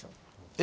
・え！？